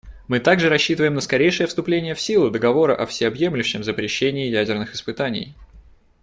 Мы также рассчитываем на скорейшее вступление в силу Договора о всеобъемлющем запрещении ядерных испытаний.